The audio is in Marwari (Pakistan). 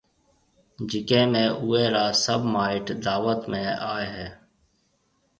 جڪيَ ۾ اوئيَ را سڀ مائيٽ دعوت ۾ آئيَ ھيََََ